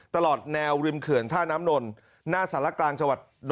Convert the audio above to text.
ตลอดแนวริมเขื่อนท่าน้ำนรหน้าศาลกลางชวน